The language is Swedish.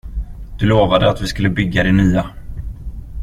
Du lovade att vi skulle bygga det nya.